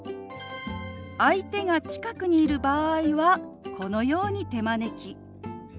相手が近くにいる場合はこのように手招き。